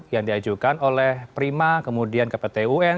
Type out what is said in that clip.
yang diajukan oleh prima kemudian ke pt un